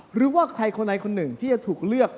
หรือว่าใครคนใดคนหนึ่งที่จะถูกเลือก